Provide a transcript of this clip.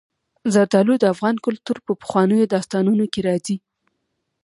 زردالو د افغان کلتور په پخوانیو داستانونو کې راځي.